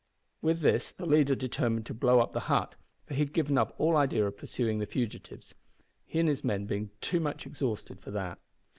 With this the leader determined to blow up the hut, for he had given up all idea of pursuing the fugitives, he and his men being too much exhausted for that.